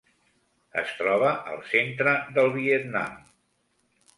Es troba al centre del Vietnam.